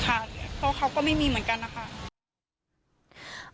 เพราะเขาก็ไม่มีเหมือนกันนะคะ